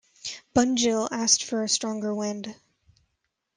Bunjil asked for a stronger wind.